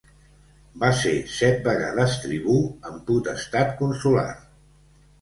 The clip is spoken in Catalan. Va ser set vegades tribú amb potestat consular.